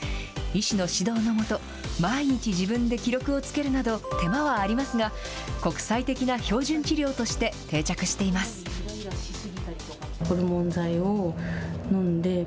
医師の指導の下、毎日自分で記録をつけるなど、手間はありますが、国際的な標準治療として定着しています。